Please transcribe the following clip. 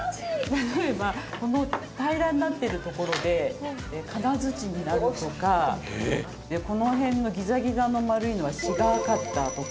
例えばこの平らになってるところででこの辺のギザギザの丸いのはシガーカッターとか。